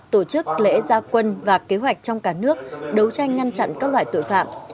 tổ chức lễ gia quân và kế hoạch trong cả nước đấu tranh ngăn chặn các loại tội phạm